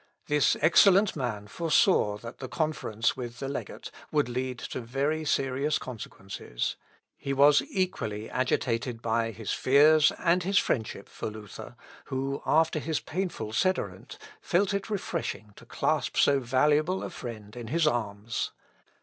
This excellent man foresaw that the conference with the legate would lead to very serious consequences. He was equally agitated by his fears and his friendship for Luther, who, after his painful sederunt, felt it refreshing to clasp so valuable a friend in his arms.